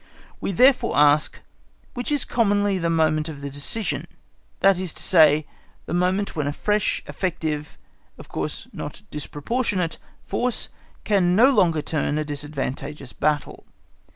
We therefore ask, Which is commonly the moment of the decision, that is to say, that moment when a fresh, effective, of course not disproportionate, force, can no longer turn a disadvantageous battle?